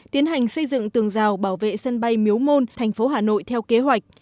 tiến hành xây dựng tường rào bảo vệ sân bay miếu môn tp hà nội theo kế hoạch